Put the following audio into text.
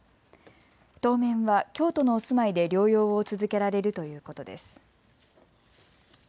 当面は京都のお住まいで療養を続けられるということです。